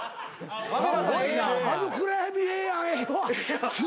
あの暗闇ええやんええわ。